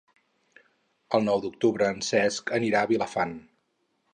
El nou d'octubre en Cesc anirà a Vilafant.